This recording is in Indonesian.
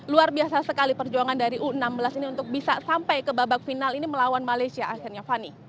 luar biasa sekali perjuangan dari u enam belas ini untuk bisa sampai ke babak final ini melawan malaysia akhirnya fani